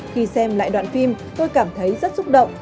khi xem lại đoạn phim tôi cảm thấy rất xúc động